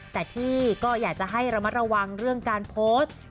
แต่ที่ก็อยากจะให้ระมัดระวังเรื่องการโพสต์